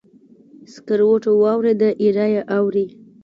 سکروټو واوریده، ایره یې اوري